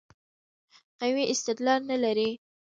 قوي استدلال نه لري.